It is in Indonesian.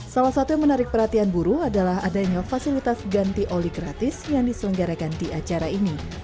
salah satu yang menarik perhatian buruh adalah adanya fasilitas ganti oli gratis yang diselenggarakan di acara ini